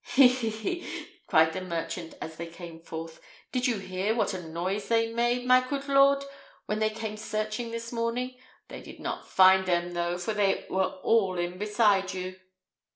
"He! he! he!" cried the merchant, as they came forth. "Did you hear what a noise they made, my coot lord, when they came searching this morning? They did not find them, though, for they were all in beside you."